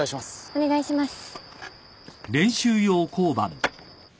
お願いします。